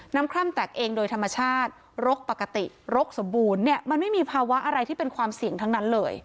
คล่ำแตกเองโดยธรรมชาติรกปกติรกสมบูรณ์เนี่ยมันไม่มีภาวะอะไรที่เป็นความเสี่ยงทั้งนั้นเลย